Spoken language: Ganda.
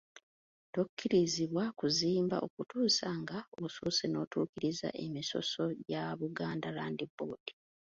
Tokkirizibwa kuzimba okutuusa nga osoose n'otuukiriza emisoso gya Buganda Land Board.